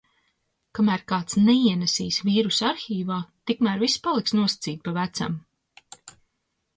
Kamēr kāds "neienesīs" vīrusu arhīvā, tikmēr viss paliks nosacīti pa vecam.